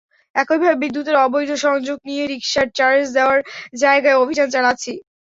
একইভাবে বিদ্যুতের অবৈধ সংযোগ নিয়ে রিকশার চার্জ দেওয়ার জায়গায় অভিযান চালাচ্ছি।